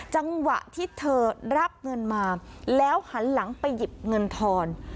จังหวะที่เธอรับเงินมาแล้วหันหลังไปหยิบเงินทอน